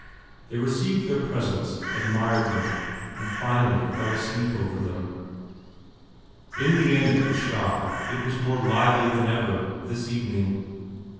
They received their presents, admired them, and finally fell asleep over them. In the inn at Gschaid it was more lively than ever, this evening.